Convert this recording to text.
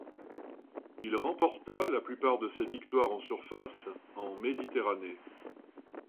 Il remporta la plupart de ses victoires en surface, en Méditerranée.